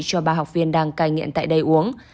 cho ba học viên đang cai nghiện tại đây uống